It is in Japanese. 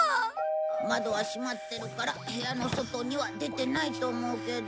窓は閉まってるから部屋の外には出てないと思うけど。